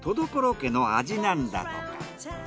家の味なんだとか。